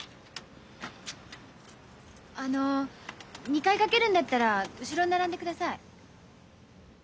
あの２回かけるんだったら後ろに並んでください。